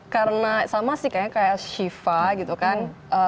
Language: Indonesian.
karena sama sih kayaknya kayak shiva gitu kan